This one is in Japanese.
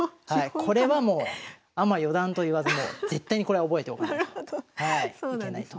これはもうアマ四段と言わず絶対にこれは覚えておかないといけないと。